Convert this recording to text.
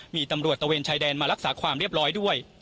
มีตำรวจตะเวนชายแดนมารักษาความเรียบร้อยด้วย